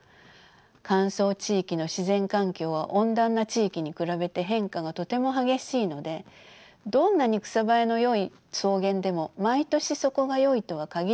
乾燥地域の自然環境は温暖な地域に比べて変化がとても激しいのでどんなに草生えのよい草原でも毎年そこがよいとは限りません。